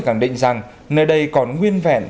khẳng định rằng nơi đây còn nguyên vẹn